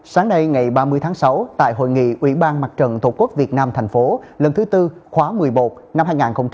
sáng nay ngày ba mươi tháng sáu tại hội nghị ủy ban mặt trận tổ quốc việt nam thành phố lần thứ tư khóa một mươi một năm hai nghìn hai mươi ba